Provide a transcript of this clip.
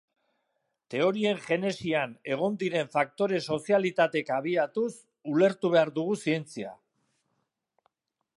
Teorien genesian egon diren faktore sozialetatik abiatuz ulertu behar dugu zientzia.